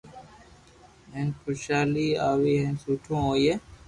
ھين خوݾالي آئئي ھين سٺو ھوئي